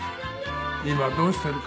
今どうしているか。